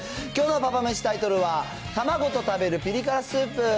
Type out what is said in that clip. きょうのパパめしタイトルは、たまごと食べるピリ辛スープ。